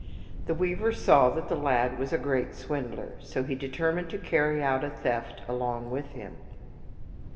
The weaver saw that the lad was a great swindler, so he determined to carry out a theft along with him.